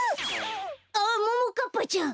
あっももかっぱちゃん！